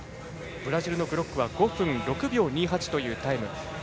ブラジルのグロックは５分６秒２８というタイム。